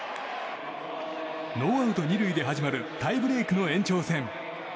ノーアウト２塁で始まるタイブレークの延長戦。